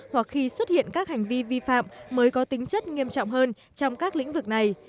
hoặc khi xuất hiện các hành vi vi phạm mới có tính chất nghiêm trọng hơn trong các lĩnh vực này